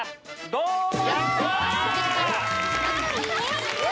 どうも！